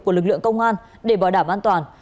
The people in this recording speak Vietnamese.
của lực lượng công an để bảo đảm an toàn